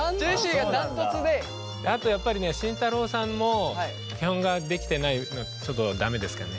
あとやっぱりね慎太郎さんも基本ができてないのでちょっと駄目ですかね。